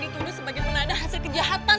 tidak ada buah apa